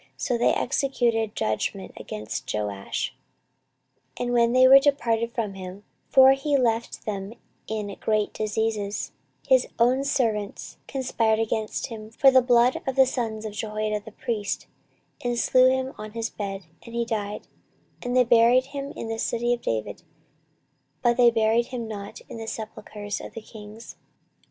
So they executed judgment against Joash. 14:024:025 And when they were departed from him, (for they left him in great diseases,) his own servants conspired against him for the blood of the sons of Jehoiada the priest, and slew him on his bed, and he died: and they buried him in the city of David, but they buried him not in the sepulchres of the kings.